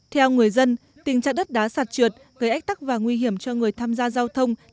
theo người dân tình trạng đất đá sạt trượt gây ách tắc và nguy hiểm cho người tham gia giao thông